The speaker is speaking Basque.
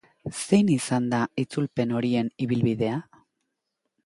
Zein izan da itzulpen horien ibilbidea?